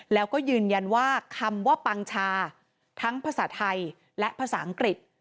แล้วก็ยืนยันว่าคำว่าปังชาทั้งภาษาไทยและภาษาอังกฤษ